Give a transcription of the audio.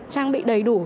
trang bị đầy đủ